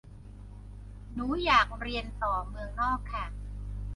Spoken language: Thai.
หนูอยากเรียนต่อเมืองนอกค่ะ